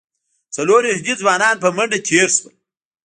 څلور یهودي ځوانان په منډه تېر شول.